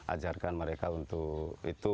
ajarkan mereka untuk itu